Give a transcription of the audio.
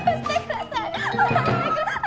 下ろしてください！